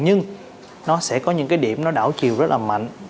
nhưng nó sẽ có những cái điểm nó đảo chiều rất là mạnh